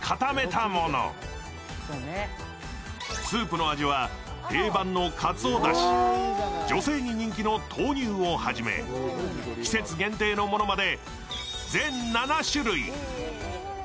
スープの味は定番のかつおだし、女性に人気の豆乳をはじめ季節限定のものまで全７種類。